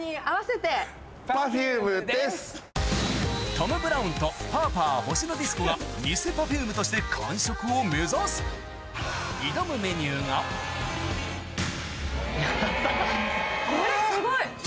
「トム・ブラウン」と「パーパー」ほしのディスコがニセＰｅｒｆｕｍｅとして完食を目指す挑むメニューが・ヤバっ・これすごい。